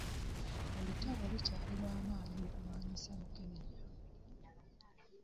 Olutalo lukyali lw'amanyi mu kulwanisa mukenenya.